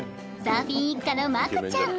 サーフィン一家の真瑚ちゃん。